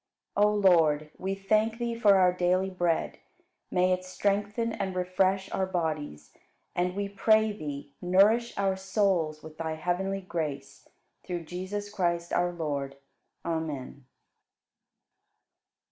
60. O Lord, we thank Thee for our daily bread. May it strengthen and refresh our bodies! And we pray Thee, nourish our souls with Thy heavenly grace, through Jesus Christ, our Lord. Amen.